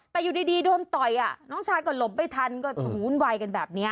แต่อยู่ดีโดนต่อยน้องชายก็หลบไม่ทันก็วุ่นวายกันแบบนี้